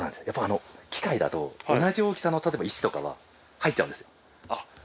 やっぱり機械だと同じ大きさの例えば石とかは入っちゃうんですよ。